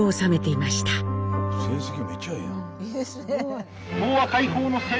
いいですねえ。